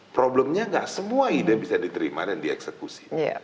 problemnya gak semua ide bisa diterima dan dieksekusi